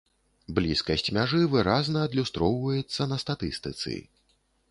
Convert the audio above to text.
Блізкасць мяжы выразна адлюстроўваецца на статыстыцы.